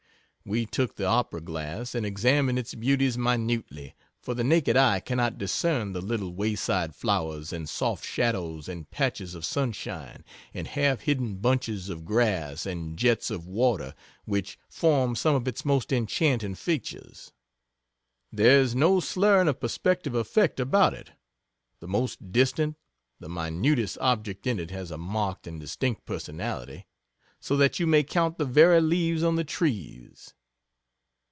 We took the opera glass, and examined its beauties minutely, for the naked eye cannot discern the little wayside flowers, and soft shadows and patches of sunshine, and half hidden bunches of grass and jets of water which form some of its most enchanting features. There is no slurring of perspective effect about it the most distant the minutest object in it has a marked and distinct personality so that you may count the very leaves on the trees.